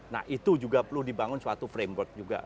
nah itu juga perlu dibangun suatu framework juga